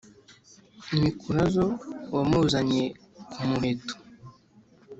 mikurazo wamuzanye ku muheto,